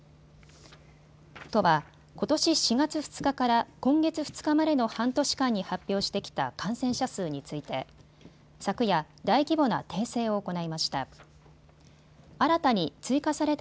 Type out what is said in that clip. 都は、ことし４月２日から今月２日までの半年間に発表してきた感染者数について昨夜、大規模な訂正を行いました。